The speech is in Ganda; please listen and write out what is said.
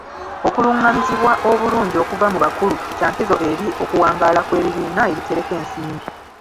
Okulungamizibwa obulungi okuva mu bakulu kya nkizo eri okuwangaala kw'ebibiina ebitereka ensimbi.